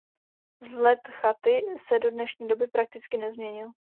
Vzhled chaty se do dnešní doby prakticky nezměnil.